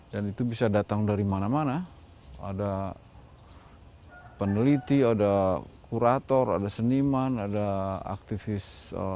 dan itu bisa datang dari mana mana ada peneliti ada kurator ada seniman ada aktivis